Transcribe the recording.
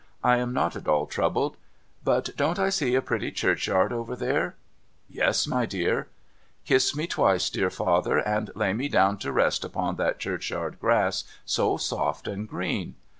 I am not at all troubled. But don't I sec a pretty church yard over there ?'' Yes, my dear.' ' Kiss me twice, dear father, and lay me down to rest upon that churcliyard grass so soft and green.'